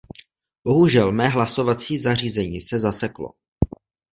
Bohužel mé hlasovací zařízení se zaseklo.